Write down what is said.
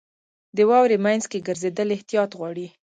• د واورې مینځ کې ګرځېدل احتیاط غواړي.